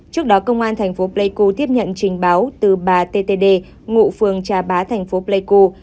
trước đó công an thành phố pleiku tiếp nhận trình báo từ bà ttd ngụ phường trà bá thành phố pleiku